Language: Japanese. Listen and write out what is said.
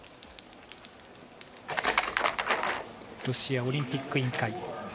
ロシアオリンピック委員会。